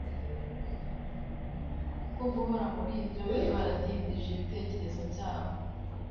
Kubwo guhora muri ibyo, bari baradindije ibitekerezo byabo